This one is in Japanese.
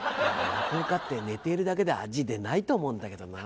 落語家って寝ているだけで味出ないと思うんだけどな。